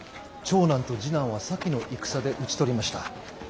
長男と次男は先の戦で討ち取りました。